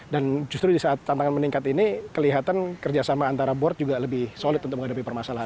dan justru di saat tantangan meningkat ini kelihatan kerjasama antara board juga lebih solid untuk menghadapi permasalahan